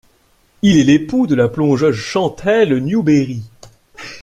Il est l'époux de la plongeuse Chantelle Newbery.